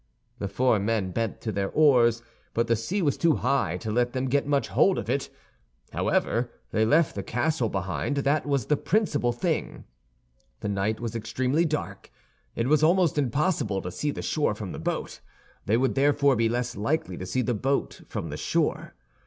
The four men bent to their oars, but the sea was too high to let them get much hold of it. However, they left the castle behind; that was the principal thing. The night was extremely dark. It was almost impossible to see the shore from the boat; they would therefore be less likely to see the boat from the shore.